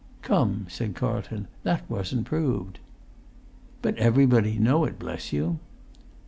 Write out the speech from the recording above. "Come," said Carlton, "that wasn't proved." "But everybody know it, bless you!"